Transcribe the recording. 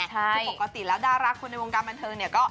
ทุกควรก็ติดแล้วดารักคนในวงการบันเทิง